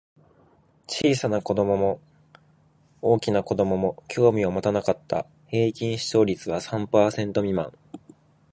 小さな子供も大きな子供も興味を持たなかった。平均視聴率は三パーセント未満。